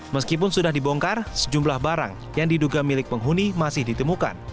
meskipun sudah dibongkar sejumlah barang yang diduga milik penghuni masih ditemukan